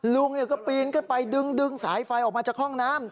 ลุงก็ปีนขึ้นไปดึงสายไฟออกมาจากห้องน้ำ